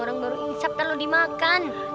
orang baru insap lalu dimakan